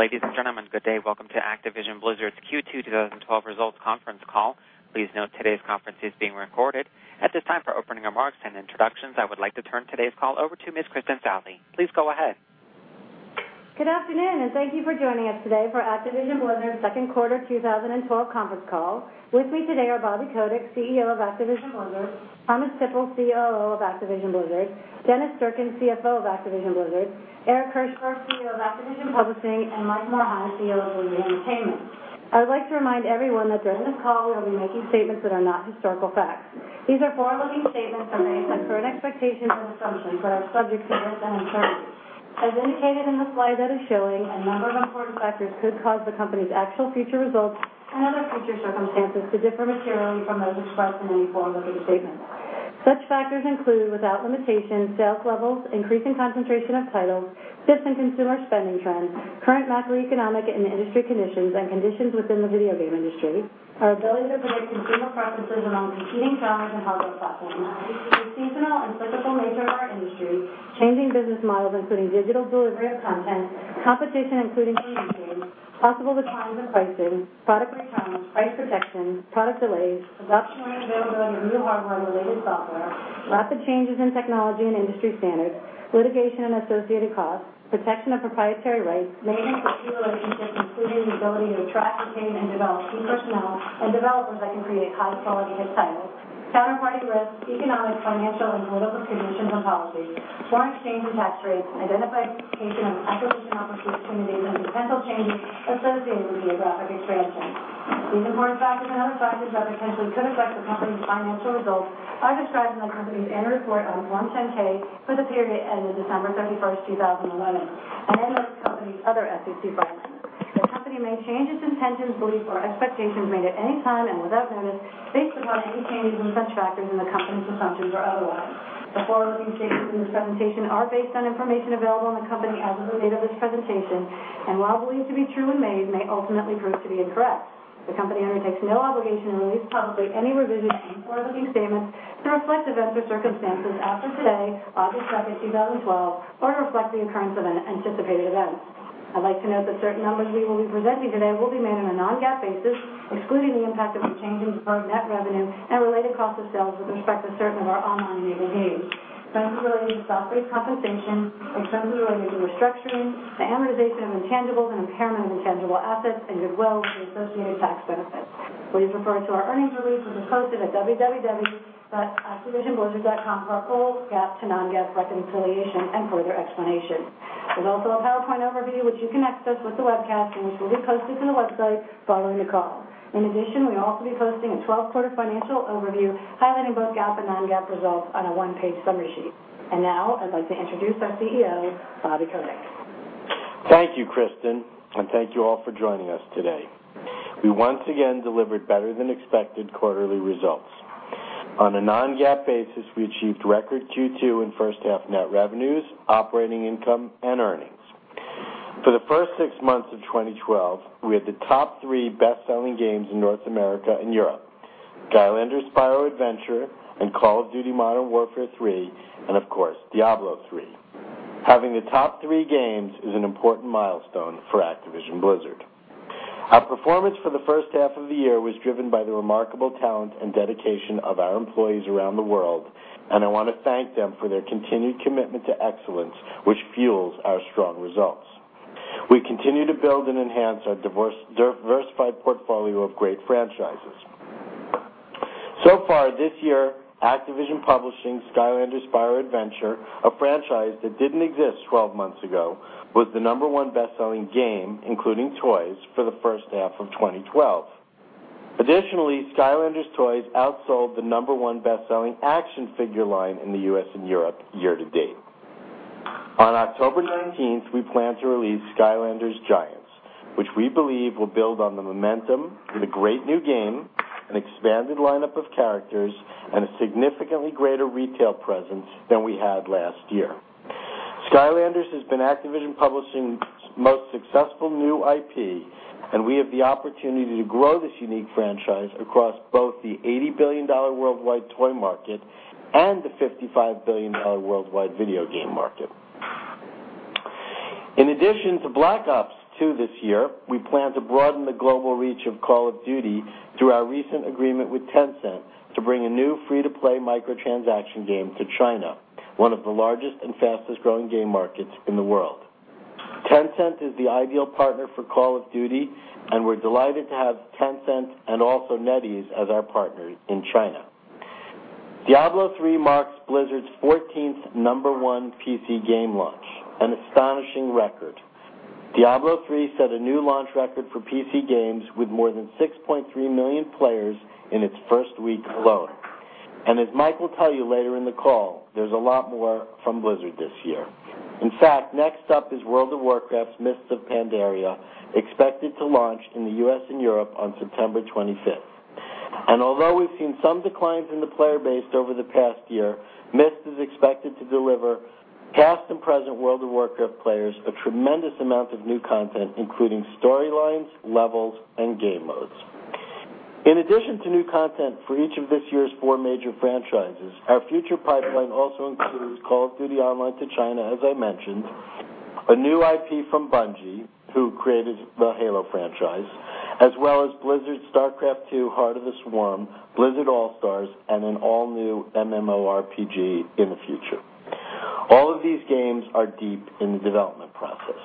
Ladies and gentlemen, good day. Welcome to Activision Blizzard's Q2 2012 results conference call. Please note today's conference is being recorded. At this time, for opening remarks and introductions, I would like to turn today's call over to Ms. Kristin Southey. Please go ahead. Good afternoon, and thank you for joining us today for Activision Blizzard's second quarter 2012 conference call. With me today are Bobby Kotick, CEO of Activision Blizzard; Thomas Tippl, COO of Activision Blizzard; Dennis Durkin, CFO of Activision Blizzard; Eric Hirshberg, CEO of Activision Publishing; and Mike Morhaime, CEO of Blizzard Entertainment. I would like to remind everyone that during this call, we will be making statements that are not historical facts. These are forward-looking statements that are based on current expectations and assumptions that are subject to risks and uncertainties. As indicated in the slide that is showing, a number of important factors could cause the company's actual future results and other future circumstances to differ materially from those expressed in any forward-looking statement. Such factors include, without limitation, sales levels, increasing concentration of titles, shifts in consumer spending trends, current macroeconomic and industry conditions, and conditions within the video game industry, our ability to predict consumer preferences among competing genres and hardware platforms, the seasonal and cyclical nature of our industry, changing business models, including digital delivery of content, competition, including free-to-play, possible declines in pricing, product returns, price protection, product delays, disruption or availability of new hardware-related software, rapid changes in technology and industry standards, litigation and associated costs, protection of proprietary rights, management of key relationships, including the ability to attract, retain, and develop key personnel and developers that can create high-quality hit titles, counterparty risks, economic, financial, and political conditions and policies, foreign exchange and tax rates, identification of acquisition opportunities and potential changes associated with geographic expansion. These important factors and other factors that potentially could affect the company's financial results are described in the company's annual report on Form 10-K for the period ending December 31, 2011, and in this company's other SEC filings. The company may change its intentions, beliefs, or expectations made at any time and without notice based upon any changes in such factors in the company's assumptions or otherwise. The forward-looking statements in this presentation are based on information available to the company as of the date of this presentation, and while believed to be true when made, may ultimately prove to be incorrect. The company undertakes no obligation to release publicly any revision to these forward-looking statements to reflect events or circumstances after today, August 2, 2012, or to reflect the occurrence of anticipated events. I'd like to note that certain numbers we will be presenting today will be made on a non-GAAP basis, excluding the impact of some changes in gross net revenue and related cost of sales with respect to certain of our online enabled games, expenses related to stock-based compensation, expenses related to restructuring, the amortization of intangibles and impairment of intangible assets and goodwill, with the associated tax benefits. Please refer to our earnings release, which is posted at www.activisionblizzard.com for a full GAAP to non-GAAP reconciliation and for further explanation. There's also a PowerPoint overview which you can access with the webcast and which will be posted to the website following the call. In addition, we'll also be posting a 12-quarter financial overview highlighting both GAAP and non-GAAP results on a one-page summary sheet. Now, I'd like to introduce our CEO, Bobby Kotick. Thank you, Kristin, and thank you all for joining us today. We once again delivered better-than-expected quarterly results. On a non-GAAP basis, we achieved record Q2 and first-half net revenues, operating income, and earnings. For the first six months of 2012, we had the top three best-selling games in North America and Europe. Skylanders: Spyro's Adventure and Call of Duty: Modern Warfare 3 and, of course, Diablo III. Having the top three games is an important milestone for Activision Blizzard. Our performance for the first half of the year was driven by the remarkable talent and dedication of our employees around the world, and I want to thank them for their continued commitment to excellence, which fuels our strong results. We continue to build and enhance our diversified portfolio of great franchises. Far this year, Activision Publishing's Skylanders: Spyro's Adventure, a franchise that didn't exist 12 months ago, was the number one best-selling game, including toys, for the first half of 2012. Additionally, Skylanders toys outsold the number one best-selling action figure line in the U.S. and Europe year-to-date. On October 19th, we plan to release Skylanders Giants, which we believe will build on the momentum with a great new game, an expanded lineup of characters, and a significantly greater retail presence than we had last year. Skylanders has been Activision Publishing's most successful new IP, and we have the opportunity to grow this unique franchise across both the $80 billion worldwide toy market and the $55 billion worldwide video game market. In addition to Black Ops II this year, we plan to broaden the global reach of Call of Duty through our recent agreement with Tencent to bring a new free-to-play microtransaction game to China, one of the largest and fastest-growing game markets in the world. Tencent is the ideal partner for Call of Duty, and we're delighted to have Tencent and also NetEase as our partners in China. Diablo III marks Blizzard's 14th number one PC game launch, an astonishing record. Diablo III set a new launch record for PC games with more than 6.3 million players in its first week alone. As Mike will tell you later in the call, there's a lot more from Blizzard this year. In fact, next up is World of Warcraft: Mists of Pandaria, expected to launch in the U.S. and Europe on September 25th. Although we've seen some declines in the player base over the past year, Mists is expected to deliver past and present World of Warcraft players a tremendous amount of new content, including storylines, levels, and game modes. In addition to new content for each of this year's four major franchises, our future pipeline also includes Call of Duty Online to China, as I mentioned, a new IP from Bungie, who created the Halo franchise, as well as Blizzard's StarCraft II: Heart of the Swarm, Blizzard All-Stars, and an all-new MMORPG in the future. All of these games are deep in the development process.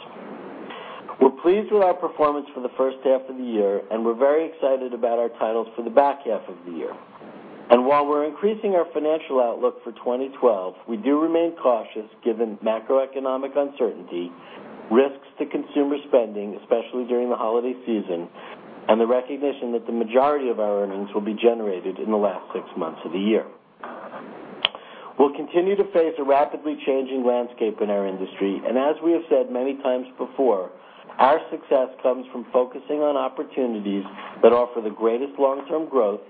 We're pleased with our performance for the first half of the year, and we're very excited about our titles for the back half of the year. While we're increasing our financial outlook for 2012, we do remain cautious given macroeconomic uncertainty, risks to consumer spending, especially during the holiday season, and the recognition that the majority of our earnings will be generated in the last six months of the year. We'll continue to face a rapidly changing landscape in our industry, and as we have said many times before, our success comes from focusing on opportunities that offer the greatest long-term growth,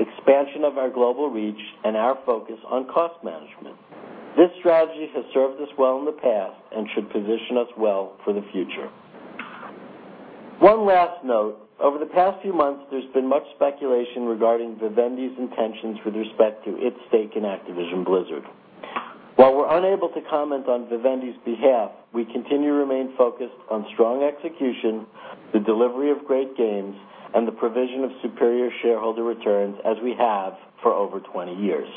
expansion of our global reach, and our focus on cost management. This strategy has served us well in the past and should position us well for the future. One last note. Over the past few months, there's been much speculation regarding Vivendi's intentions with respect to its stake in Activision Blizzard. While we're unable to comment on Vivendi's behalf, we continue to remain focused on strong execution, the delivery of great games, and the provision of superior shareholder returns as we have for over 20 years.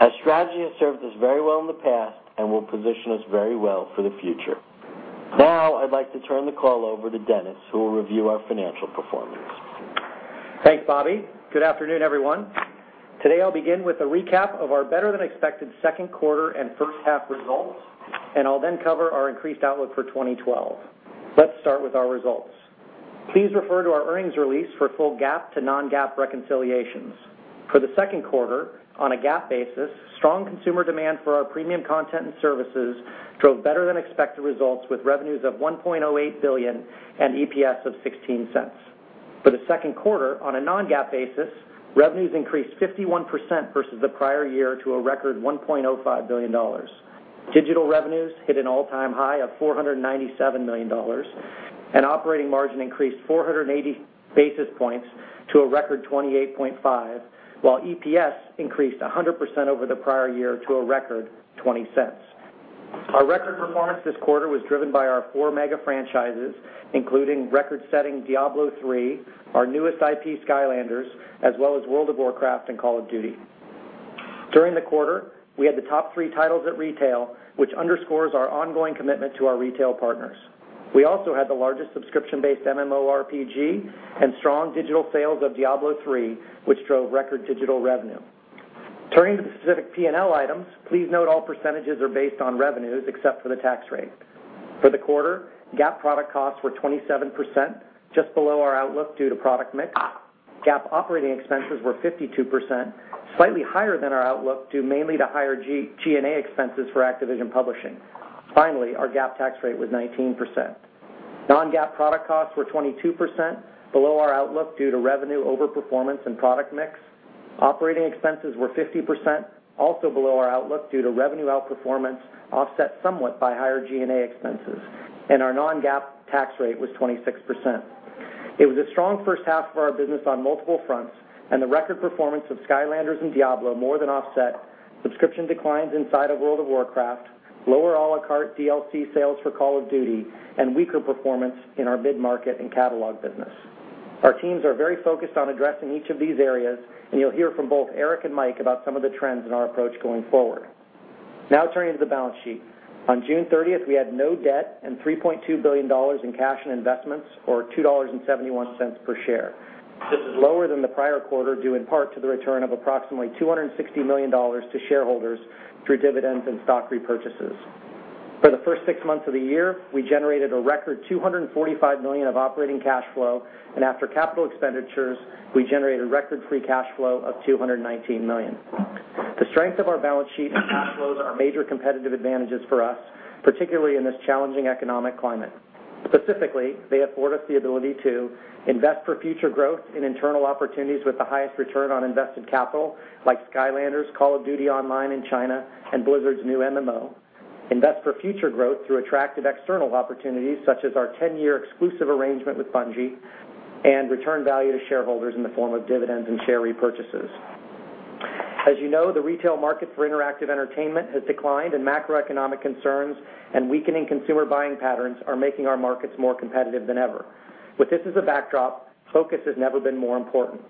Our strategy has served us very well in the past and will position us very well for the future. I'd like to turn the call over to Dennis, who will review our financial performance. Thanks, Bobby. Good afternoon, everyone. Today, I'll begin with a recap of our better-than-expected second quarter and first half results, and I'll then cover our increased outlook for 2012. Let's start with our results. Please refer to our earnings release for full GAAP to non-GAAP reconciliations. For the second quarter, on a GAAP basis, strong consumer demand for our premium content and services drove better-than-expected results, with revenues of $1.08 billion and EPS of $0.16. For the second quarter, on a non-GAAP basis, revenues increased 51% versus the prior year to a record $1.05 billion. Digital revenues hit an all-time high of $497 million, and operating margin increased 480 basis points to a record 28.5, while EPS increased 100% over the prior year to a record $0.20. Our record performance this quarter was driven by our four mega franchises, including record-setting Diablo III, our newest IP, Skylanders, as well as World of Warcraft and Call of Duty. During the quarter, we had the top three titles at retail, which underscores our ongoing commitment to our retail partners. We also had the largest subscription-based MMORPG and strong digital sales of Diablo III, which drove record digital revenue. Turning to the specific P&L items, please note all percentages are based on revenues except for the tax rate. For the quarter, GAAP product costs were 27%, just below our outlook due to product mix. GAAP operating expenses were 52%, slightly higher than our outlook, due mainly to higher G&A expenses for Activision Publishing. Finally, our GAAP tax rate was 19%. Non-GAAP product costs were 22%, below our outlook due to revenue overperformance and product mix. Operating expenses were 50%, also below our outlook due to revenue outperformance offset somewhat by higher G&A expenses, and our non-GAAP tax rate was 26%. It was a strong first half for our business on multiple fronts, and the record performance of Skylanders and Diablo more than offset subscription declines inside of World of Warcraft, lower à la carte DLC sales for Call of Duty, and weaker performance in our mid-market and catalog business. Our teams are very focused on addressing each of these areas, and you'll hear from both Eric and Mike about some of the trends in our approach going forward. Now turning to the balance sheet. On June 30th, we had no debt and $3.2 billion in cash and investments, or $2.71 per share. This is lower than the prior quarter, due in part to the return of approximately $260 million to shareholders through dividends and stock repurchases. For the first six months of the year, we generated a record $245 million of operating cash flow, and after capital expenditures, we generated record free cash flow of $219 million. The strength of our balance sheet and cash flows are major competitive advantages for us, particularly in this challenging economic climate. Specifically, they afford us the ability to invest for future growth in internal opportunities with the highest return on invested capital, like Skylanders, Call of Duty Online in China, and Blizzard's new MMO, invest for future growth through attractive external opportunities such as our 10-year exclusive arrangement with Bungie, and return value to shareholders in the form of dividends and share repurchases. As you know, the retail market for interactive entertainment has declined, and macroeconomic concerns and weakening consumer buying patterns are making our markets more competitive than ever. With this as a backdrop, focus has never been more important.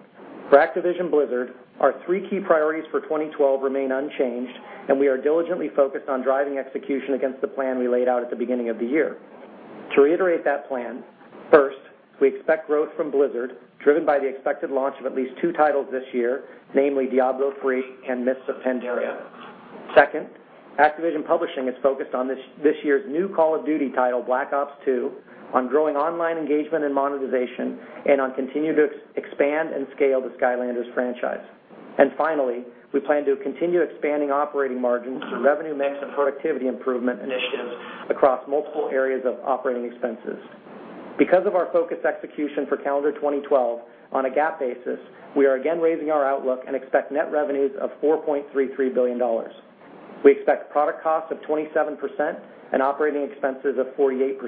For Activision Blizzard, our three key priorities for 2012 remain unchanged, and we are diligently focused on driving execution against the plan we laid out at the beginning of the year. To reiterate that plan, first, we expect growth from Blizzard, driven by the expected launch of at least two titles this year, namely Diablo III and Mists of Pandaria. Second, Activision Publishing is focused on this year's new Call of Duty title, Black Ops II, on growing online engagement and monetization, and on continuing to expand and scale the Skylanders franchise. Finally, we plan to continue expanding operating margins through revenue mix and productivity improvement initiatives across multiple areas of operating expenses. Because of our focused execution for calendar 2012, on a GAAP basis, we are again raising our outlook and expect net revenues of $4.33 billion. We expect product costs of 27% and operating expenses of 48%.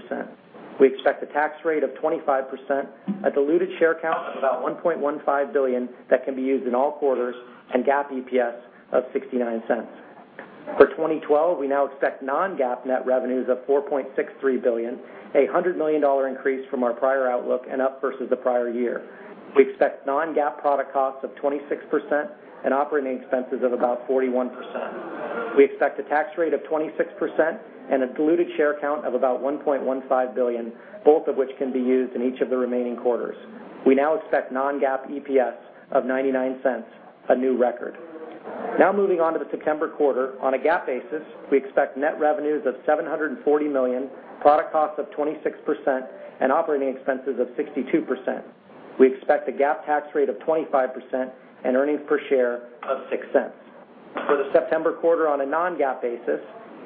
We expect a tax rate of 25%, a diluted share count of about 1.15 billion that can be used in all quarters, and GAAP EPS of $0.69. For 2012, we now expect non-GAAP net revenues of $4.63 billion, a $100 million increase from our prior outlook and up versus the prior year. We expect non-GAAP product costs of 26% and operating expenses of about 41%. We expect a tax rate of 26% and a diluted share count of about 1.15 billion, both of which can be used in each of the remaining quarters. We now expect non-GAAP EPS of $0.99, a new record. Moving on to the September quarter. On a GAAP basis, we expect net revenues of $740 million, product costs of 26%, and operating expenses of 62%. We expect a GAAP tax rate of 25% and earnings per share of $0.06. For the September quarter on a non-GAAP basis,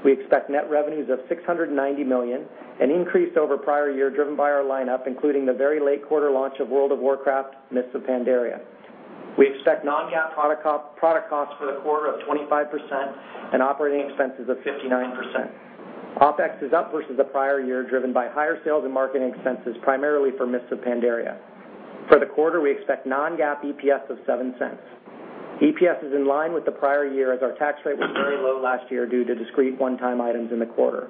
we expect net revenues of $690 million, an increase over prior year driven by our lineup, including the very late quarter launch of World of Warcraft: Mists of Pandaria. We expect non-GAAP product costs for the quarter of 25% and operating expenses of 59%. OpEx is up versus the prior year, driven by higher sales and marketing expenses, primarily for Mists of Pandaria. For the quarter, we expect non-GAAP EPS of $0.07. EPS is in line with the prior year as our tax rate was very low last year due to discrete one-time items in the quarter.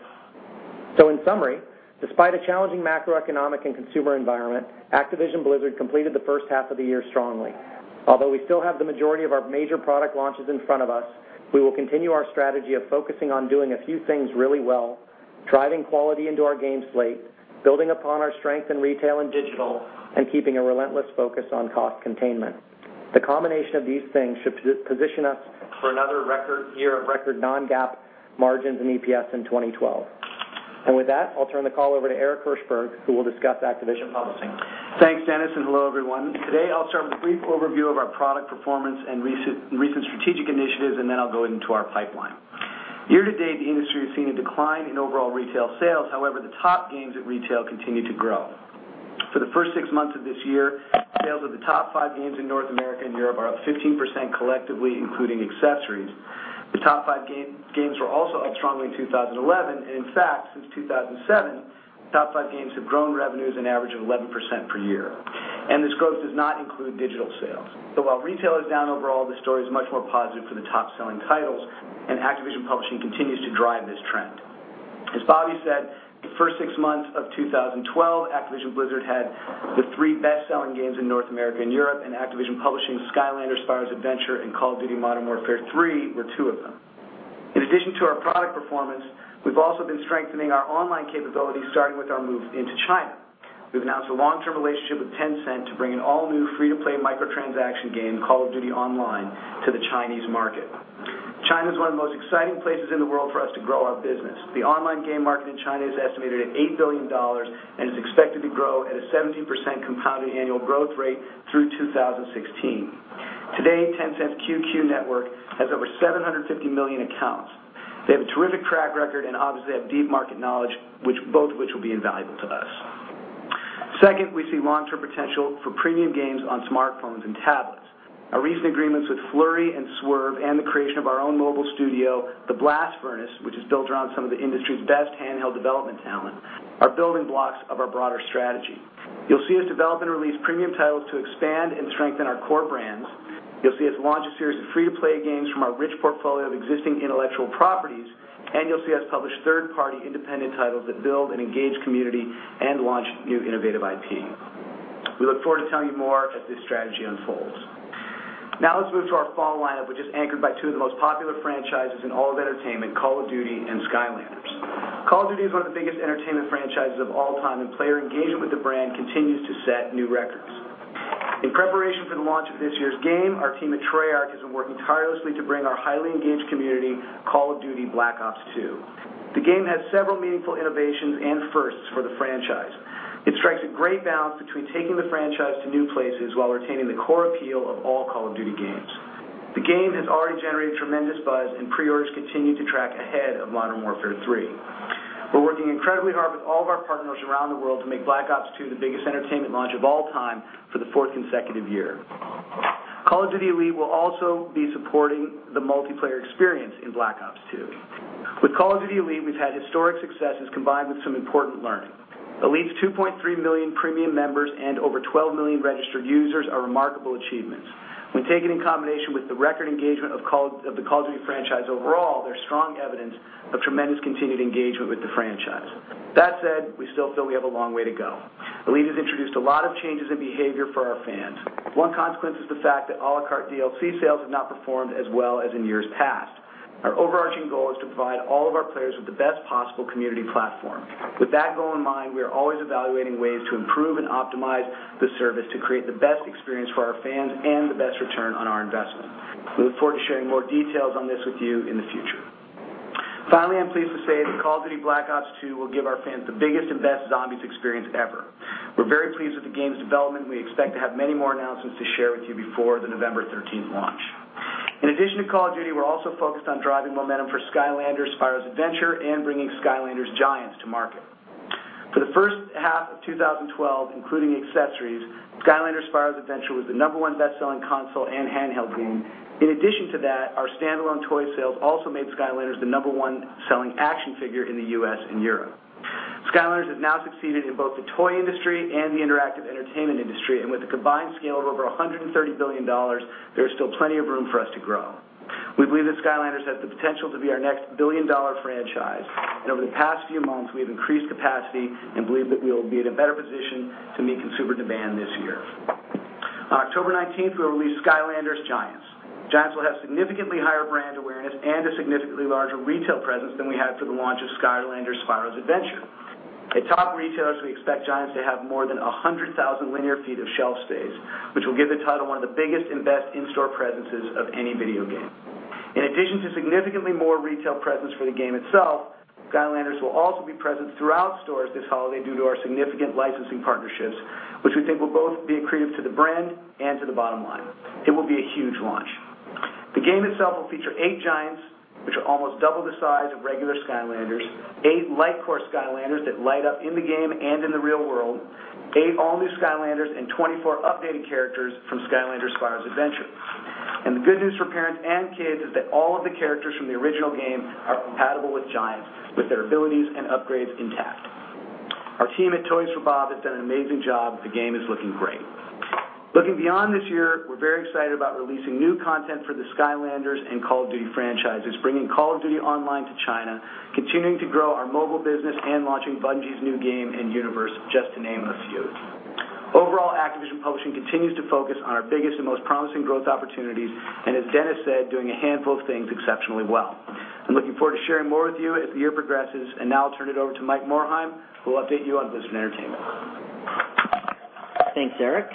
In summary, despite a challenging macroeconomic and consumer environment, Activision Blizzard completed the first half of the year strongly. Although we still have the majority of our major product launches in front of us, we will continue our strategy of focusing on doing a few things really well, driving quality into our game slate, building upon our strength in retail and digital, and keeping a relentless focus on cost containment. The combination of these things should position us for another year of record non-GAAP margins and EPS in 2012. With that, I'll turn the call over to Eric Hirshberg, who will discuss Activision Publishing. Thanks, Dennis. Hello, everyone. Today, I'll start with a brief overview of our product performance and recent strategic initiatives. Then I'll go into our pipeline. Year-to-date, the industry has seen a decline in overall retail sales. However, the top games at retail continue to grow. For the first six months of this year, sales of the top five games in North America and Europe are up 15% collectively, including accessories. The top five games were also up strongly in 2011. In fact, since 2007, the top five games have grown revenues an average of 11% per year. This growth does not include digital sales. While retail is down overall, the story is much more positive for the top-selling titles, and Activision Publishing continues to drive this trend. As Bobby said, the first six months of 2012, Activision Blizzard had the three best-selling games in North America and Europe. Activision Publishing's Skylanders: Spyro's Adventure and Call of Duty: Modern Warfare 3 were two of them. In addition to our product performance, we've also been strengthening our online capabilities, starting with our move into China. We've announced a long-term relationship with Tencent to bring an all-new free-to-play microtransaction game, Call of Duty Online, to the Chinese market. China's one of the most exciting places in the world for us to grow our business. The online game market in China is estimated at $8 billion and is expected to grow at a 17% compounded annual growth rate through 2016. Today, Tencent's QQ network has over 750 million accounts. They have a terrific track record, obviously have deep market knowledge, both of which will be invaluable to us. Second, we see long-term potential for premium games on smartphones and tablets. Our recent agreements with Flurry and Swrve and the creation of our own mobile studio, The Blast Furnace, which is built around some of the industry's best handheld development talent, are building blocks of our broader strategy. You'll see us develop and release premium titles to expand and strengthen our core brands. You'll see us launch a series of free-to-play games from our rich portfolio of existing intellectual properties. You'll see us publish third-party independent titles that build and engage community and launch new innovative IP. We look forward to telling you more as this strategy unfolds. Now let's move to our fall lineup, which is anchored by two of the most popular franchises in all of entertainment, Call of Duty and Skylanders. Call of Duty is one of the biggest entertainment franchises of all time. Player engagement with the brand continues to set new records. In preparation for the launch of this year's game, our team at Treyarch has been working tirelessly to bring our highly engaged community Call of Duty: Black Ops II. The game has several meaningful innovations and firsts for the franchise. It strikes a great balance between taking the franchise to new places while retaining the core appeal of all Call of Duty games. The game has already generated tremendous buzz. Pre-orders continue to track ahead of Modern Warfare 3. We're working incredibly hard with all of our partners around the world to make Black Ops II the biggest entertainment launch of all time for the fourth consecutive year. Call of Duty: Elite will also be supporting the multiplayer experience in Black Ops II. With Call of Duty: Elite, we've had historic successes combined with some important learning. Elite's $2.3 million premium members and over $12 million registered users are remarkable achievements. When taken in combination with the record engagement of the Call of Duty franchise overall, they're strong evidence of tremendous continued engagement with the franchise. That said, we still feel we have a long way to go. Elite has introduced a lot of changes in behavior for our fans. One consequence is the fact that à la carte DLC sales have not performed as well as in years past. Our overarching goal is to provide all of our players with the best possible community platform. With that goal in mind, we are always evaluating ways to improve and optimize the service to create the best experience for our fans and the best return on our investment. We look forward to sharing more details on this with you in the future. Finally, I'm pleased to say that Call of Duty: Black Ops II will give our fans the biggest and best Zombies experience ever. We're very pleased with the game's development, and we expect to have many more announcements to share with you before the November 13th launch. In addition to Call of Duty, we're also focused on driving momentum for Skylanders: Spyro's Adventure and bringing Skylanders: Giants to market. For the first half of 2012, including accessories, Skylanders: Spyro's Adventure was the number one bestselling console and handheld game. In addition to that, our standalone toy sales also made Skylanders the number one selling action figure in the U.S. and Europe. Skylanders has now succeeded in both the toy industry and the interactive entertainment industry. With a combined scale of over $130 billion, there is still plenty of room for us to grow. We believe that Skylanders has the potential to be our next billion-dollar franchise. Over the past few months, we have increased capacity and believe that we will be in a better position to meet consumer demand this year. On October 19th, we'll release Skylanders: Giants. Giants will have significantly higher brand awareness and a significantly larger retail presence than we had for the launch of Skylanders: Spyro's Adventure. At top retailers, we expect Giants to have more than 100,000 linear feet of shelf space, which will give the title one of the biggest and best in-store presences of any video game. In addition to significantly more retail presence for the game itself, Skylanders will also be present throughout stores this holiday due to our significant licensing partnerships, which we think will both be accretive to the brand and to the bottom line. It will be a huge launch. The game itself will feature 8 Giants, which are almost double the size of regular Skylanders, 8 LightCore Skylanders that light up in the game and in the real world, 8 all-new Skylanders, and 24 updated characters from "Skylanders: Spyro's Adventure." The good news for parents and kids is that all of the characters from the original game are compatible with Giants, with their abilities and upgrades intact. Our team at Toys for Bob has done an amazing job. The game is looking great. Looking beyond this year, we're very excited about releasing new content for the Skylanders and Call of Duty franchises, bringing Call of Duty Online to China, continuing to grow our mobile business, and launching Bungie's new game and universe, just to name a few. Overall, Activision Publishing continues to focus on our biggest and most promising growth opportunities, and as Dennis said, doing a handful of things exceptionally well. I'm looking forward to sharing more with you as the year progresses, and now I'll turn it over to Mike Morhaime, who will update you on Blizzard Entertainment. Thanks, Eric.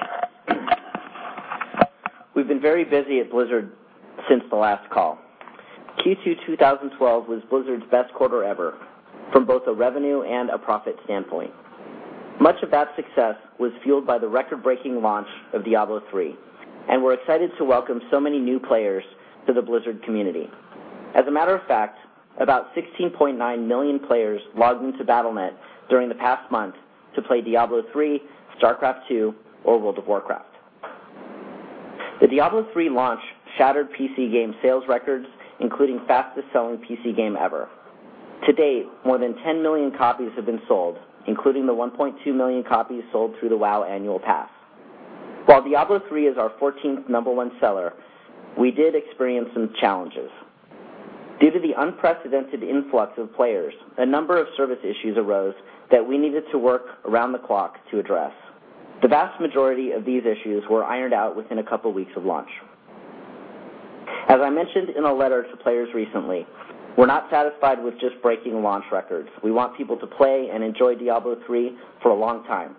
We've been very busy at Blizzard since the last call. Q2 2012 was Blizzard's best quarter ever, from both a revenue and a profit standpoint. Much of that success was fueled by the record-breaking launch of "Diablo III," and we're excited to welcome so many new players to the Blizzard community. As a matter of fact, about 16.9 million players logged into Battle.net during the past month to play "Diablo III," "StarCraft II," or "World of Warcraft." The Diablo III launch shattered PC game sales records, including fastest-selling PC game ever. To date, more than 10 million copies have been sold, including the 1.2 million copies sold through the WoW Annual Pass. While Diablo III is our 14th number one seller, we did experience some challenges. Due to the unprecedented influx of players, a number of service issues arose that we needed to work around the clock to address. The vast majority of these issues were ironed out within a couple weeks of launch. As I mentioned in a letter to players recently, we're not satisfied with just breaking launch records. We want people to play and enjoy Diablo III for a long time.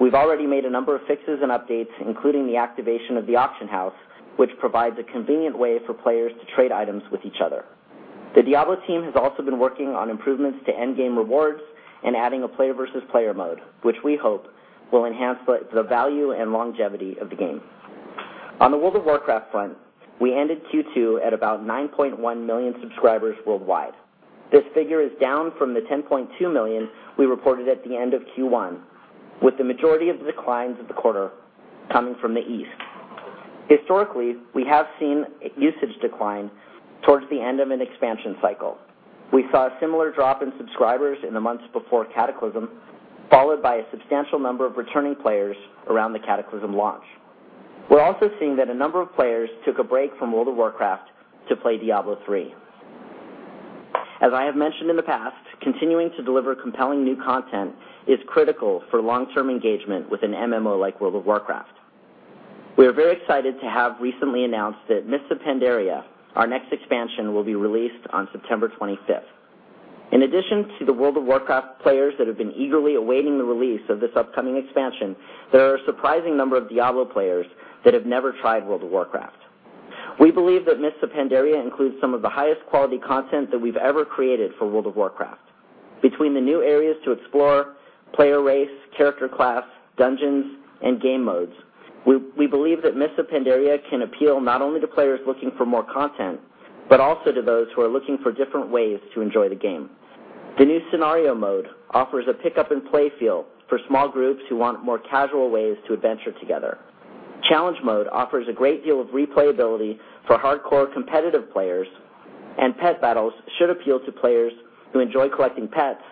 We've already made a number of fixes and updates, including the activation of the Auction House, which provides a convenient way for players to trade items with each other. The Diablo team has also been working on improvements to endgame rewards and adding a player-versus-player mode, which we hope will enhance the value and longevity of the game. On the World of Warcraft front, we ended Q2 at about 9.1 million subscribers worldwide. This figure is down from the $10.2 million we reported at the end of Q1, with the majority of the declines of the quarter coming from the East. Historically, we have seen usage decline towards the end of an expansion cycle. We saw a similar drop in subscribers in the months before Cataclysm, followed by a substantial number of returning players around the Cataclysm launch. We are also seeing that a number of players took a break from World of Warcraft to play Diablo III. As I have mentioned in the past, continuing to deliver compelling new content is critical for long-term engagement with an MMO like World of Warcraft. We are very excited to have recently announced that Mists of Pandaria, our next expansion, will be released on September 25th. In addition to the World of Warcraft players that have been eagerly awaiting the release of this upcoming expansion, there are a surprising number of Diablo players that have never tried World of Warcraft. We believe that Mists of Pandaria includes some of the highest quality content that we've ever created for World of Warcraft. Between the new areas to explore, player race, character class, dungeons, and game modes, we believe that Mists of Pandaria can appeal not only to players looking for more content, but also to those who are looking for different ways to enjoy the game. The new Scenario mode offers a pick-up-and-play feel for small groups who want more casual ways to adventure together. Challenge mode offers a great deal of replayability for hardcore competitive players. And pet battles should appeal to players who enjoy collecting pets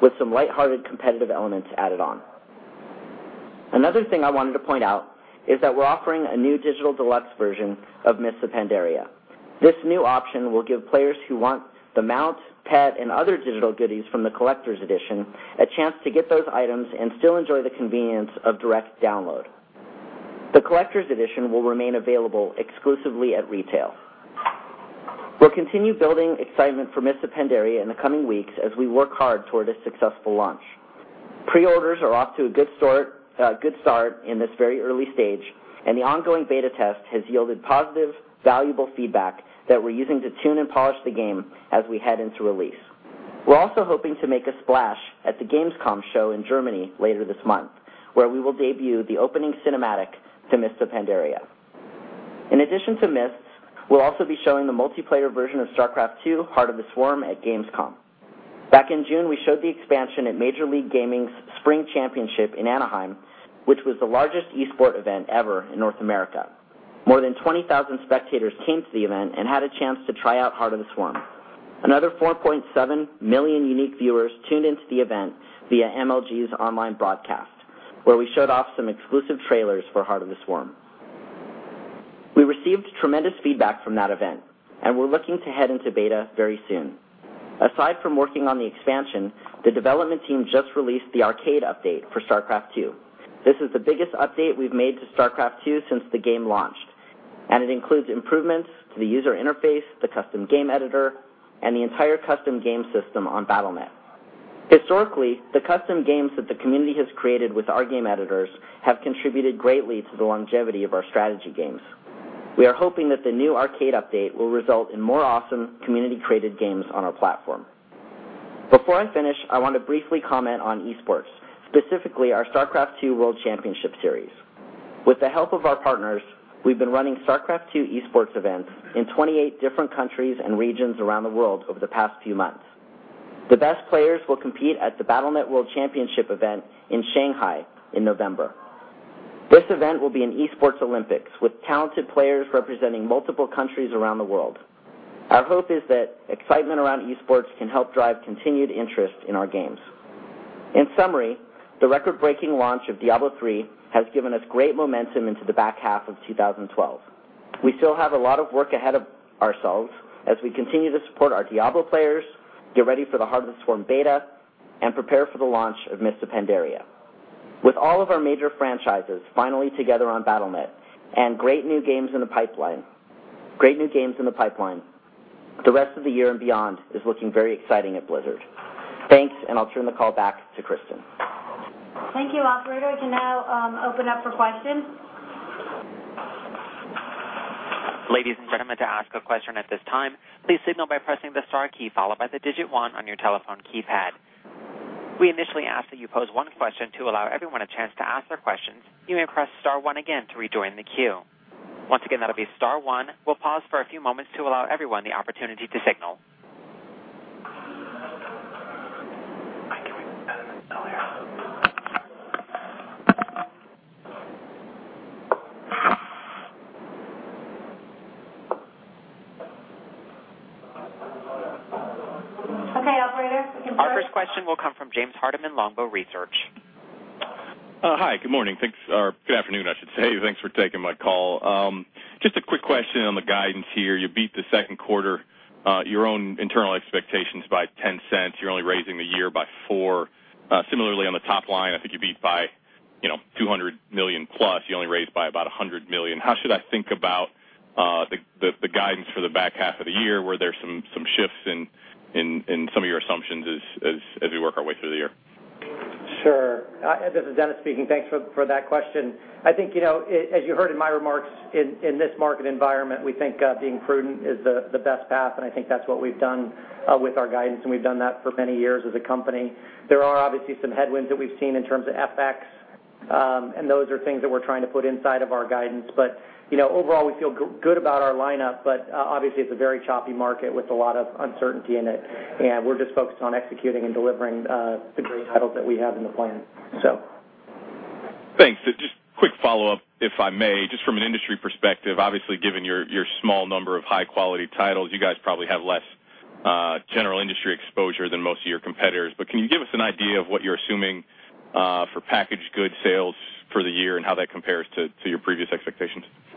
with some lighthearted competitive elements added on. Another thing I wanted to point out is that we're offering a new digital deluxe version of Mists of Pandaria. This new option will give players who want the mount, pet, and other digital goodies from the Collector's Edition a chance to get those items and still enjoy the convenience of direct download. The Collector's Edition will remain available exclusively at retail. We'll continue building excitement for Mists of Pandaria in the coming weeks as we work hard toward a successful launch. Pre-orders are off to a good start in this very early stage, the ongoing beta test has yielded positive, valuable feedback that we're using to tune and polish the game as we head into release. We're also hoping to make a splash at the gamescom show in Germany later this month, where we will debut the opening cinematic to Mists of Pandaria. In addition to Mists, we'll also be showing the multiplayer version of StarCraft II: Heart of the Swarm at gamescom. Back in June, we showed the expansion at Major League Gaming's Spring Championship in Anaheim, which was the largest esports event ever in North America. More than 20,000 spectators came to the event and had a chance to try out Heart of the Swarm. Another 4.7 million unique viewers tuned into the event via MLG's online broadcast, where we showed off some exclusive trailers for Heart of the Swarm. We received tremendous feedback from that event, we're looking to head into beta very soon. Aside from working on the expansion, the development team just released the arcade update for StarCraft II. This is the biggest update we've made to StarCraft II since the game launched. It includes improvements to the user interface, the custom game editor, and the entire custom game system on Battle.net. Historically, the custom games that the community has created with our game editors have contributed greatly to the longevity of our strategy games. We are hoping that the new arcade update will result in more awesome community-created games on our platform. Before I finish, I want to briefly comment on esports, specifically our StarCraft II World Championship Series. With the help of our partners, we've been running StarCraft II esports events in 28 different countries and regions around the world over the past few months. The best players will compete at the Battle.net World Championship event in Shanghai in November. This event will be an esports Olympics, with talented players representing multiple countries around the world. Our hope is that excitement around esports can help drive continued interest in our games. In summary, the record-breaking launch of Diablo III has given us great momentum into the back half of 2012. We still have a lot of work ahead of ourselves as we continue to support our Diablo players, get ready for the Heart of the Swarm beta, and prepare for the launch of Mists of Pandaria. With all of our major franchises finally together on Battle.net and great new games in the pipeline, the rest of the year and beyond is looking very exciting at Blizzard. Thanks, and I'll turn the call back to Kristin. Thank you. Operator, to now open up for questions. Ladies and gentlemen, to ask a question at this time, please signal by pressing the star key followed by the digit one on your telephone keypad. We initially ask that you pose one question to allow everyone a chance to ask their questions. You may press star one again to rejoin the queue. Once again, that'll be star one. We'll pause for a few moments to allow everyone the opportunity to signal. Okay, operator. You can proceed. Our first question will come from James Hardiman, Longbow Research. Hi, good morning. Thanks. Or good afternoon, I should say. Thanks for taking my call. Just a quick question on the guidance here. You beat the Q2, your own internal expectations by $0.10. You're only raising the year by $0.04. Similarly, on the top line, I think you beat by $200 million plus. You only raised by about $100 million. How should I think about the guidance for the back half of the year? Were there some shifts in some of your assumptions as we work our way through the year? Sure. This is Dennis speaking. Thanks for that question. I think, as you heard in my remarks, in this market environment, we think being prudent is the best path, and I think that's what we've done with our guidance, and we've done that for many years as a company. There are obviously some headwinds that we've seen in terms of FX, and those are things that we're trying to put inside of our guidance. Overall, we feel good about our lineup, but obviously it's a very choppy market with a lot of uncertainty in it, and we're just focused on executing and delivering the great titles that we have in the plan. Thanks. Just quick follow-up, if I may. Just from an industry perspective, obviously, given your small number of high-quality titles, you guys probably have less general industry exposure than most of your competitors. Can you give us an idea of what you're assuming for packaged good sales for the year and how that compares to your previous expectations? Yeah,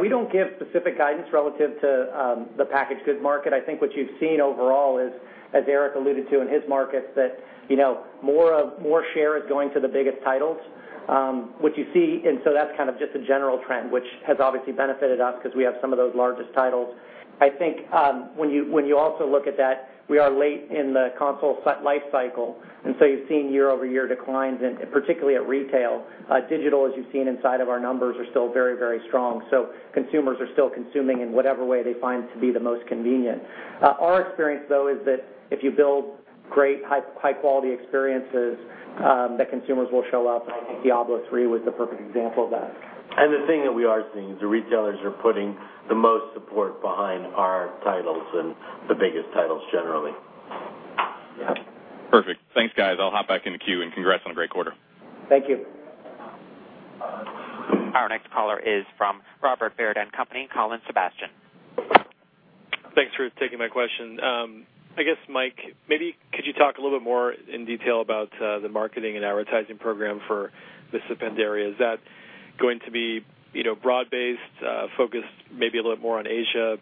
we don't give specific guidance relative to the packaged good market. I think what you've seen overall is, as Eric alluded to in his markets, that more share is going to the biggest titles, which you see. That's kind of just a general trend, which has obviously benefited us because we have some of those largest titles. I think when you also look at that, we are late in the console lifecycle, and you're seeing year-over-year declines, particularly at retail. Digital, as you've seen inside of our numbers, are still very strong. Consumers are still consuming in whatever way they find to be the most convenient. Our experience, though, is that if you build great, high-quality experiences, that consumers will show up, and I think Diablo III was the perfect example of that. The thing that we are seeing is the retailers are putting the most support behind our titles and the biggest titles generally. Perfect. Thanks, guys. I'll hop back in the queue, and congrats on a great quarter. Thank you. Our next caller is from Robert W. Baird & Co., Colin Sebastian. Thanks for taking my question. I guess, Mike, maybe could you talk a little bit more in detail about the marketing and advertising program for Mists of Pandaria? Is that going to be broad-based, focused maybe a little bit more on Asia,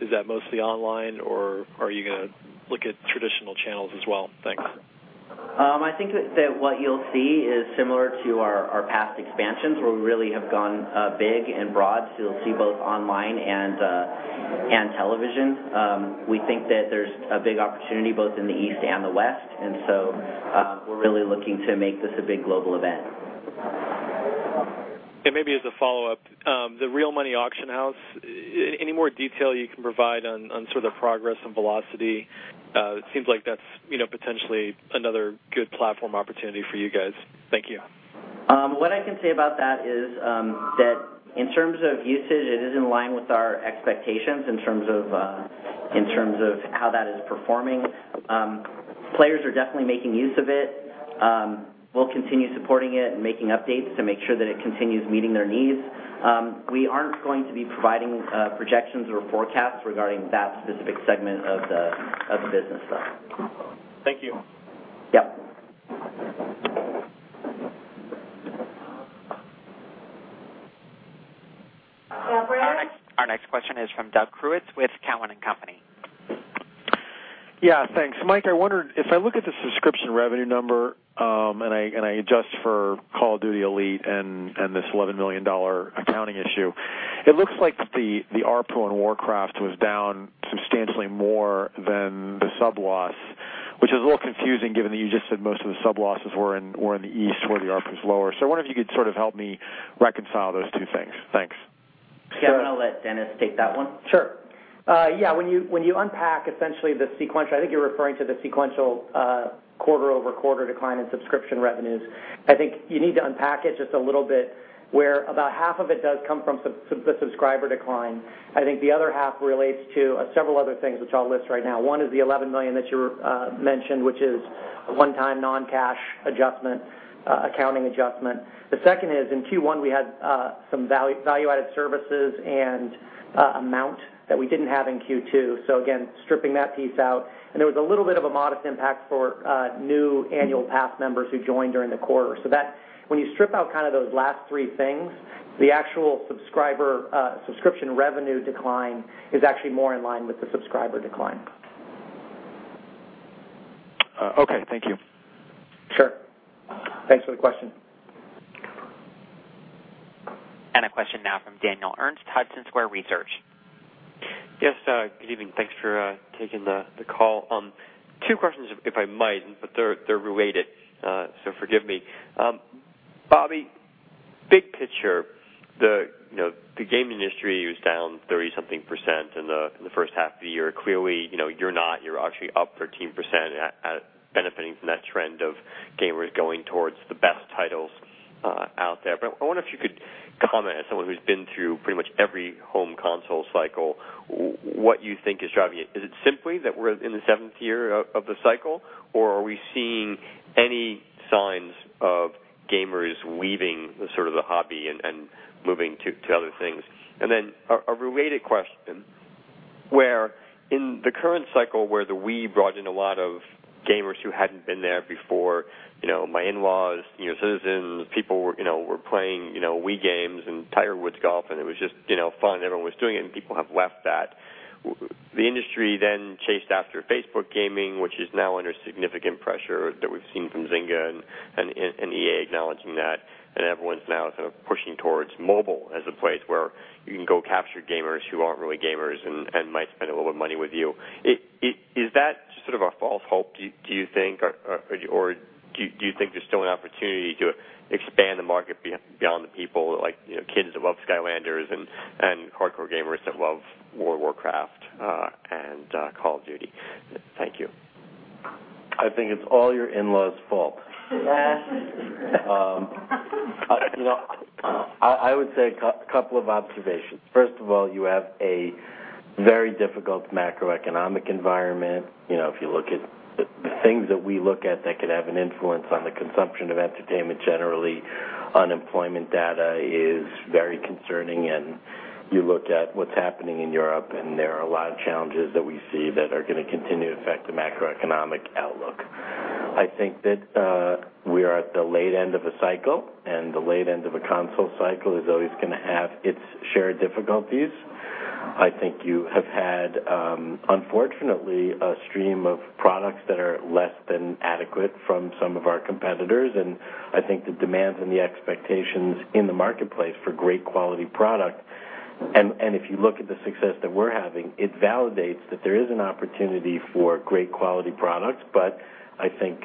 is that mostly online, or are you going to look at traditional channels as well? Thanks. I think that what you'll see is similar to our past expansions, where we really have gone big and broad. You'll see both online and television. We think that there's a big opportunity both in the East and the West, we're really looking to make this a big global event. Maybe as a follow-up, the real money Auction House, any more detail you can provide on sort of progress and velocity? It seems like that's potentially another good platform opportunity for you guys. Thank you. What I can say about that is that in terms of usage, it is in line with our expectations in terms of how that is performing. Players are definitely making use of it. We'll continue supporting it and making updates to make sure that it continues meeting their needs. We aren't going to be providing projections or forecasts regarding that specific segment of the business, though. Thank you. Yep. Operator? Our next question is from Doug Creutz with Cowen and Company. Yeah, thanks. Mike, I wondered if I look at the subscription revenue number, and I adjust for Call of Duty: Elite and this $11 million accounting issue, it looks like the ARPU on Warcraft was down substantially more than the sub loss, which is a little confusing given that you just said most of the sub losses were in the East, where the ARPU is lower. I wonder if you could sort of help me reconcile those two things. Thanks. Yeah. I'm going to let Dennis take that one. Sure. Yeah. When you unpack essentially the sequential, I think you're referring to the sequential quarter-over-quarter decline in subscription revenues. I think you need to unpack it just a little bit, where about half of it does come from the subscriber decline. I think the other half relates to several other things, which I'll list right now. One is the $11 million that you mentioned, which is a one-time non-cash adjustment, accounting adjustment. The second is in Q1, we had some value-added services and amount that we didn't have in Q2. Again, stripping that piece out, and there was a little bit of a modest impact for new Annual Pass members who joined during the quarter. That when you strip out kind of those last three things, the actual subscription revenue decline is actually more in line with the subscriber decline. Okay. Thank you. Sure. Thanks for the question. A question now from Daniel Ernst, Hudson Square Research. Yes. Good evening. Thanks for taking the call. Two questions if I might, but they're related, so forgive me. Bobby, big picture, the game industry was down 30-something% in the first half of the year. Clearly, you're not. You're actually up 13%, benefiting from that trend of gamers going towards the best titles out there. I wonder if you could comment as someone who's been through pretty much every home console cycle, what you think is driving it. Is it simply that we're in the seventh year of the cycle, or are we seeing any signs of gamers leaving the hobby and moving to other things? A related question, where in the current cycle where the Wii brought in a lot of gamers who hadn't been there before, my in-laws, citizens, people were playing Wii games and Tiger Woods PGA Tour, and it was just fun. Everyone was doing it, and people have left that. The industry chased after Facebook gaming, which is now under significant pressure that we've seen from Zynga and EA acknowledging that, and everyone's now sort of pushing towards mobile as a place where you can go capture gamers who aren't really gamers and might spend a little money with you. Is that sort of a false hope, do you think? Do you think there's still an opportunity to expand the market beyond the people like kids that love Skylanders and hardcore gamers that love World of Warcraft and Call of Duty? Thank you. I think it's all your in-laws' fault. I would say a couple of observations. You have a very difficult macroeconomic environment. If you look at the things that we look at that could have an influence on the consumption of entertainment, generally, unemployment data is very concerning. You look at what's happening in Europe. There are a lot of challenges that we see that are going to continue to affect the macroeconomic outlook. I think that we are at the late end of a cycle. The late end of a console cycle is always going to have its shared difficulties. I think you have had, unfortunately, a stream of products that are less than adequate from some of our competitors. I think the demands and the expectations in the marketplace for great quality product. If you look at the success that we're having, it validates that there is an opportunity for great quality products. I think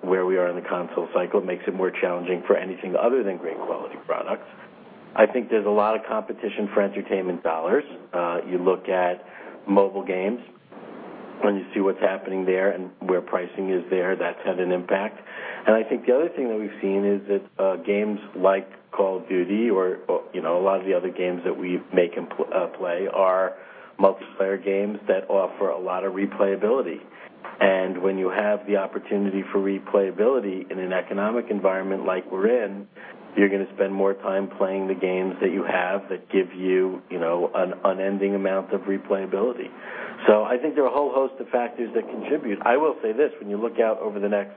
where we are in the console cycle makes it more challenging for anything other than great quality products. I think there's a lot of competition for entertainment dollars. You look at mobile games. You see what's happening there and where pricing is there. That's had an impact. I think the other thing that we've seen is that games like Call of Duty or a lot of the other games that we make and play are multiplayer games that offer a lot of replayability. When you have the opportunity for replayability in an economic environment like we're in, you're going to spend more time playing the games that you have that give you an unending amount of replayability. I think there are a whole host of factors that contribute. I will say this, when you look out over the next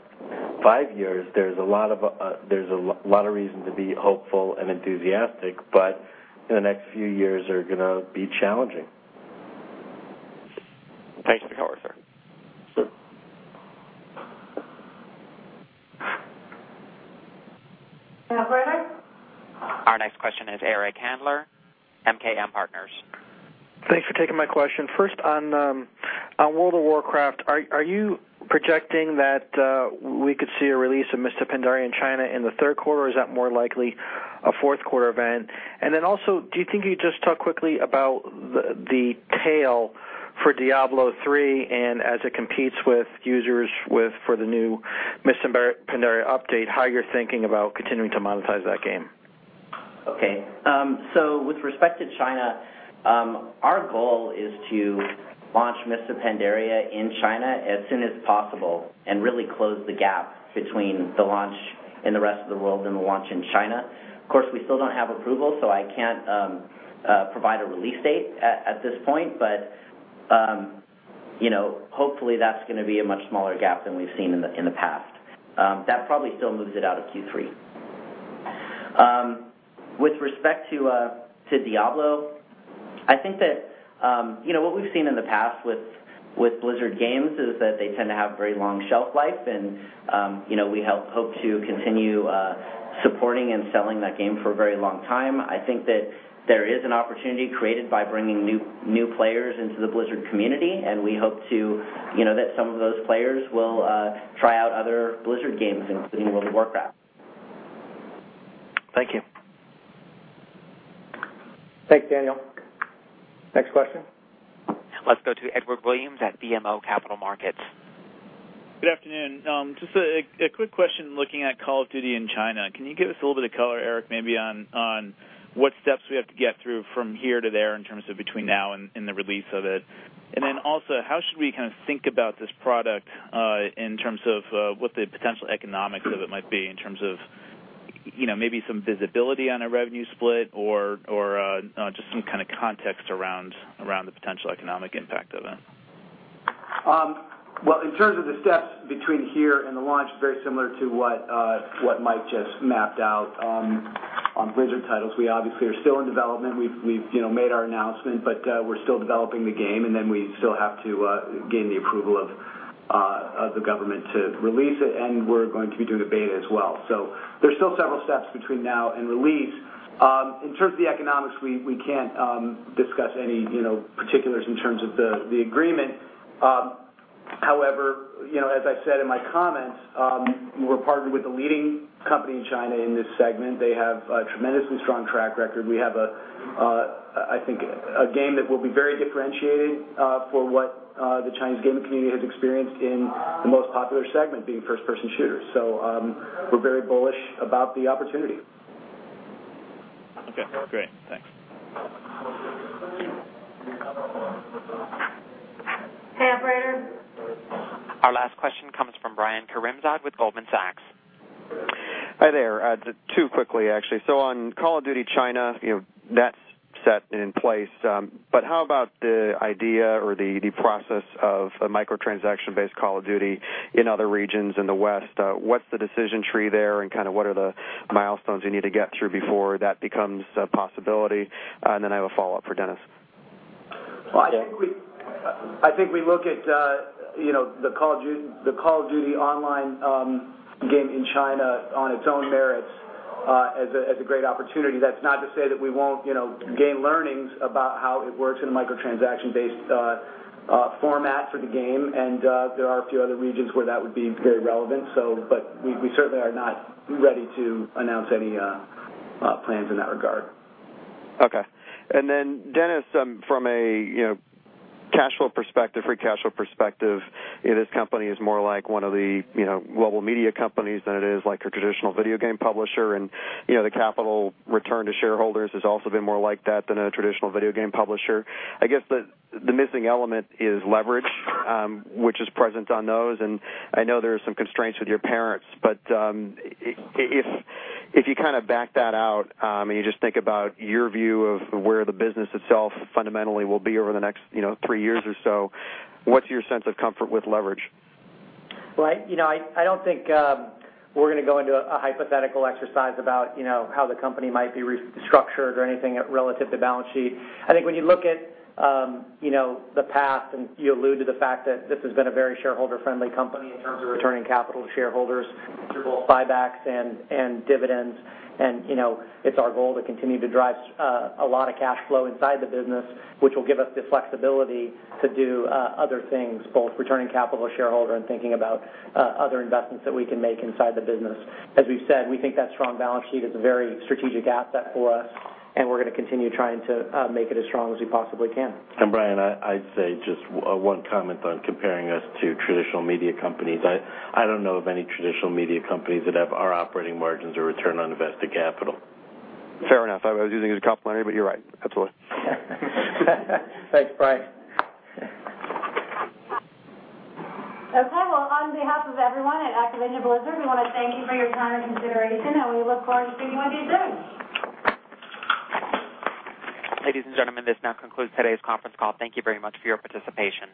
five years, there's a lot of reason to be hopeful and enthusiastic. The next few years are going to be challenging. Thanks for the color, sir. Sure. Operator? Our next question is Eric Handler, MKM Partners. Thanks for taking my question. First, on World of Warcraft, are you projecting that we could see a release of Mists of Pandaria in China in the third quarter, or is that more likely a fourth quarter event? Also, do you think you could just talk quickly about the tail for Diablo III and as it competes with users for the new Mists of Pandaria update, how you're thinking about continuing to monetize that game. Okay. With respect to China, our goal is to launch Mists of Pandaria in China as soon as possible and really close the gap between the launch in the rest of the world and the launch in China. Of course, we still don't have approval, so I can't provide a release date at this point. Hopefully, that's going to be a much smaller gap than we've seen in the past. That probably still moves it out of Q3. With respect to Diablo, I think that what we've seen in the past with Blizzard games is that they tend to have very long shelf life, and we hope to continue supporting and selling that game for a very long time. I think that there is an opportunity created by bringing new players into the Blizzard community, and we hope that some of those players will try out other Blizzard games, including World of Warcraft. Thank you. Thanks, Daniel. Next question. Let's go to Edward Williams at BMO Capital Markets. Good afternoon. Just a quick question looking at Call of Duty in China, can you give us a little bit of color, Eric, maybe on what steps we have to get through from here to there in terms of between now and the release of it? Then also, how should we think about this product in terms of what the potential economics of it might be in terms of maybe some visibility on a revenue split or just some kind of context around the potential economic impact of it? In terms of the steps between here and the launch, very similar to what Mike just mapped out on Blizzard titles. We obviously are still in development. We've made our announcement, but we're still developing the game, and then we still have to gain the approval of the government to release it, and we're going to be doing the beta as well. There's still several steps between now and release. In terms of the economics, we can't discuss any particulars in terms of the agreement. However, as I said in my comments, we're partnered with the leading company in China in this segment. They have a tremendously strong track record. We have, I think, a game that will be very differentiating for what the Chinese gaming community has experienced in the most popular segment, being first-person shooters. We're very bullish about the opportunity. Okay, great. Thanks. Our last question comes from Brian Karimzad with Goldman Sachs. Hi there. Two quickly, actually. On Call of Duty China, that's set in place. How about the idea or the process of a microtransaction-based Call of Duty in other regions in the West? What's the decision tree there and what are the milestones you need to get through before that becomes a possibility? I have a follow-up for Dennis. Well, I think we look at the Call of Duty Online game in China on its own merits as a great opportunity. That's not to say that we won't gain learnings about how it works in a microtransaction-based format for the game, and there are a few other regions where that would be very relevant. We certainly are not ready to announce any plans in that regard. Okay. Then Dennis, from a free cash flow perspective, this company is more like one of the global media companies than it is like a traditional video game publisher, and the capital return to shareholders has also been more like that than a traditional video game publisher. I guess the missing element is leverage, which is present on those, and I know there are some constraints with your parent, if you kind of back that out and you just think about your view of where the business itself fundamentally will be over the next three years or so, what's your sense of comfort with leverage? Well, I don't think we're going to go into a hypothetical exercise about how the company might be restructured or anything relative to balance sheet. I think when you look at the past, you allude to the fact that this has been a very shareholder-friendly company in terms of returning capital to shareholders through both buybacks and dividends. It's our goal to continue to drive a lot of cash flow inside the business, which will give us the flexibility to do other things, both returning capital to shareholders and thinking about other investments that we can make inside the business. As we've said, we think that strong balance sheet is a very strategic asset for us, and we're going to continue trying to make it as strong as we possibly can. Brian, I'd say just one comment on comparing us to traditional media companies. I don't know of any traditional media companies that have our operating margins or return on invested capital. Fair enough. I was using it as a compliment, but you're right. That's all. Thanks, Brian. Okay. Well, on behalf of everyone at Activision Blizzard, we want to thank you for your time and consideration, and we look forward to speaking with you again. Ladies and gentlemen, this now concludes today's conference call. Thank you very much for your participation.